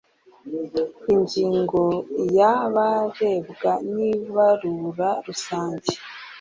ingingo ya abarebwa n ibarura rusange